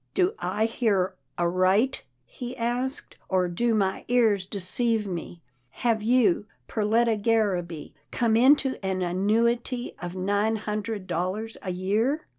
" Do I hear aright ?" he asked, " or do my ears deceive me ? Have you, Perletta Garraby, come into an annuity of nine hundred dollars a year